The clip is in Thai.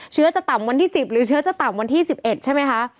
เชื้อจะต่ำวันที่๑๐หรือเชื้อจะต่ำวันที่๑๑ใช่ไหมคะ